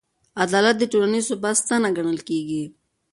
عدالت د ټولنیز ثبات ستنه ګڼل کېږي.